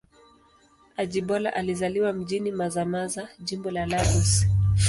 Ajibola alizaliwa mjini Mazamaza, Jimbo la Lagos.